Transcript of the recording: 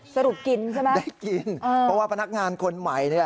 สรุปกินใช่ไหมได้กินเพราะว่าพนักงานคนใหม่